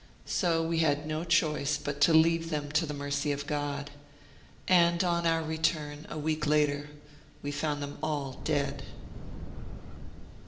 So we had no choice but to leave them to the mercy of God, and on our return, a week later, we found them all dead."